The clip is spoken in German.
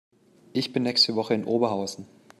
Ich bin nächste Woche in Oberhausen